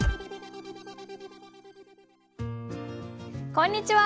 こんにちは！